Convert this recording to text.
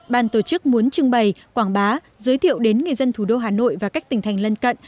ban tổ chức muốn trưng bày quảng bá giới thiệu đến người dân thủ đô hà nội và các tỉnh thành lân cận